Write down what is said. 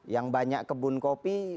yang banyak kebun kopi